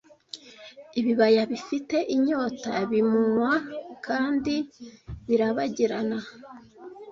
Ibibaya bifite inyota bimunywa kandi birabagirana